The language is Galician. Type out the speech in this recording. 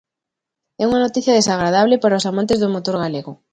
E unha noticia desagradable para os amantes do motor galego.